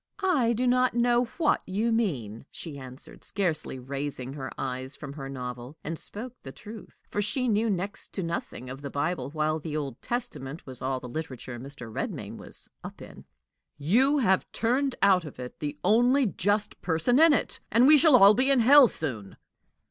"I do not know what you mean," she answered, scarcely raising her eyes from her novel and spoke the truth, for she knew next to nothing of the Bible, while the Old Testament was all the literature Mr. Redmain was "up in." "You have turned out of it the only just person in it, and we shall all be in hell soon!"